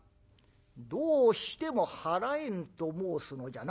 「どうしても払えぬと申すのじゃな。